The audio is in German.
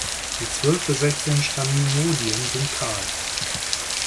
Die zwölf bis sechzehn Staminodien sind kahl.